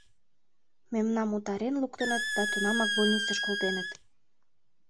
Мемнам утарен луктыныт да тунамак больницыш колтеныт.